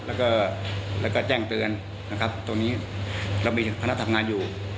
แล้วก็แล้วก็แจ้งเตือนนะครับตรงนี้เรามีคณะทำงานอยู่